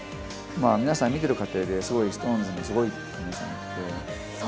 皆さん、見てる過程で、すごいＳｉｘＴＯＮＥＳもすごいって皆さん言ってくれて。